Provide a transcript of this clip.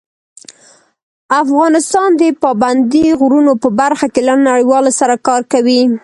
افغانستان د پابندي غرونو په برخه کې له نړیوالو سره کار کوي.